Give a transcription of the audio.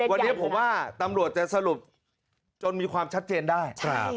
วันนี้ผมว่าตำรวจจะสรุปจนมีความชัดเจนได้